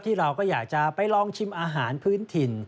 เราก็อยากจะไปลองชิมอาหารพื้นถิ่น